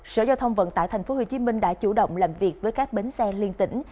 sở giao thông vận tải tp hcm đã chủ động làm việc với các bến xe liên tỉnh